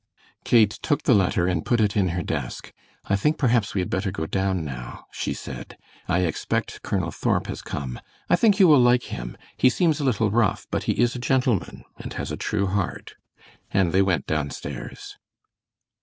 Kate took the letter and put it in her desk. "I think, perhaps, we had better go down now," she said; "I expect Colonel Thorp has come. I think you will like him. He seems a little rough, but he is a gentleman, and has a true heart," and they went downstairs.